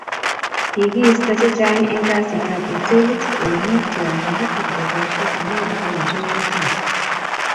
kikiista chechang eng kasit ab hotelit ,ole mi tiangik ak dukoshek amun ukonjwet niton